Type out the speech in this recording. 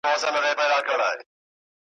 خو د خولې له خلاصېدو سره خطا سو ,